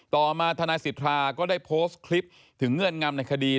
ต่อมาทนายสิทธาก็ได้โพสต์คลิปถึงเงื่อนงำในคดี